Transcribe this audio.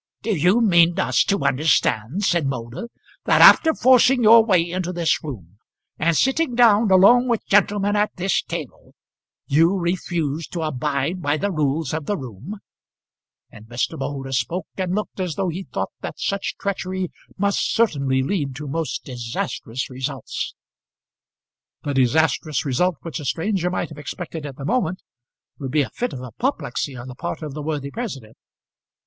"Do you mean us to understand," said Moulder, "that after forcing your way into this room, and sitting down along with gentlemen at this table, you refuse to abide by the rules of the room?" And Mr. Moulder spoke and looked as though he thought that such treachery must certainly lead to most disastrous results. The disastrous result which a stranger might have expected at the moment would be a fit of apoplexy on the part of the worthy president.